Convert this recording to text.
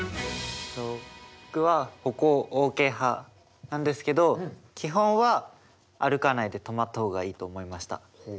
僕は歩行ＯＫ派なんですけど基本は歩かないで止まった方がいいと思いました。